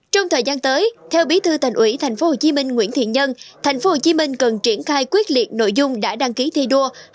trong thời gian tới theo bí thư thành ủy tp hcm nguyễn thiện nhân tp hcm cần triển khai quyết liệt nội dung đã đăng ký thi đua